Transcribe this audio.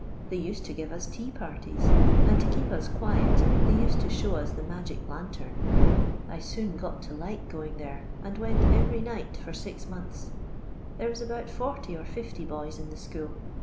They used to give us tea parties, and to keep us quiet they used to show us the magic lantern. I soon got to like going there, and went every night for six months. There was about 40 or 50 boys in the school.